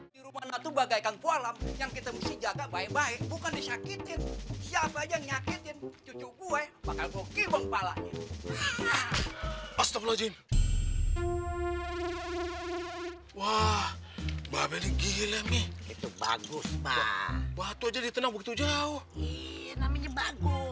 sampai jumpa di video selanjutnya